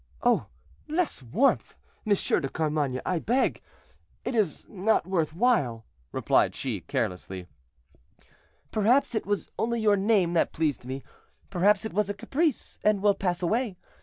"Oh! less warmth, M. de Carmainges, I beg; it is not worth while," replied she, carelessly. "Perhaps it was only your name that pleased me; perhaps it is a caprice, and will pass away.